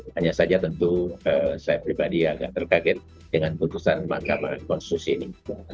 hanya saja tentu saya pribadi agak terkaget dengan keputusan mk pada konstitusi ini